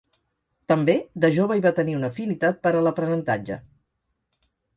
També, de jove hi va tenir una afinitat per a l'aprenentatge.